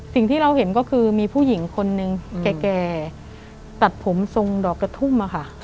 สิ่งที่เราเห็นก็คือมีผู้หญิงคนนึงแก่ตัดผมทรงดอกกระทุ่มค่ะ